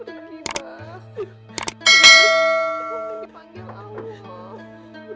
abah mau dipanggil awal